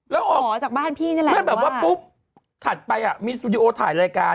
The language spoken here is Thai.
แล้วออกแม่งแบบว่าปุ๊บถัดไปมีสตูดิโอถ่ายรายการ